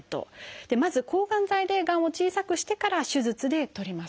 まず抗がん剤でがんを小さくしてから手術で取ります。